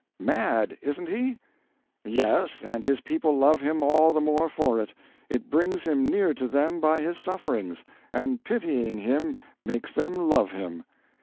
Mad, isn't he?" "Yes, and his people love him all the more for it. It brings him near to them by his sufferings; and pitying him makes them love him."